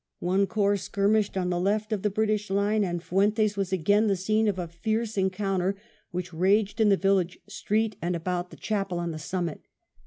One corps skirmished on the left of the British line, and Fuentes was again the scene of a fiercer encounter, which raged in the village street and about the chapel on the summit.